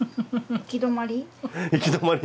行き止まり？